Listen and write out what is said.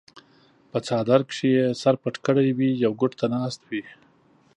پۀ څادر کښې ئې سر پټ کړے وي يو ګوټ ته ناست وي